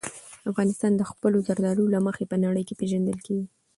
افغانستان د خپلو زردالو له مخې په نړۍ کې پېژندل کېږي.